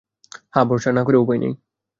হ্যাঁ, ভরসা না করেও উপায় নেই!